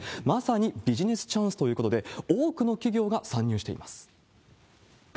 まさにビジネスチャンスということで、多くの企業が参入しています。